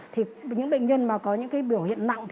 thì những bệnh nhân có những biểu hiện nặng